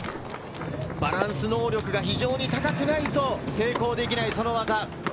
バランス能力が非常に高くないと成功できないこの技。